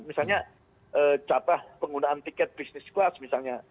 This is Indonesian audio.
misalnya capah penggunaan tiket bisnis kelas misalnya